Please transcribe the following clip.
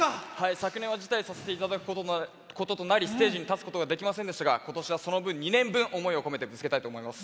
昨年は辞退させていただくこととなりステージに立つことができませんでしたが、今年は２年分、思いを込めて見せたいと思います。